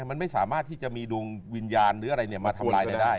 มันไม่สามารถที่จะมีดวงวิญญาณหรืออะไรมาทำลายเราได้